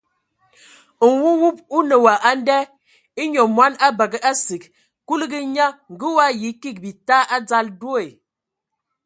Nwumub o nə wa a nda : e nyɔ mɔn a bəgə asig! Kuligi nye ngə o ayi kig bita a dzal do.